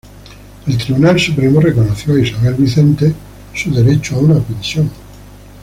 El Tribunal Supremo reconoció a Isabel Vicente su derecho a una pensión.